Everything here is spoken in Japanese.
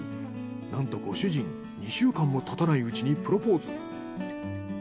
なんとご主人２週間も経たないうちにプロポーズ。